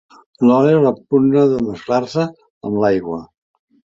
L'oli repugna de mesclar-se amb l'aigua.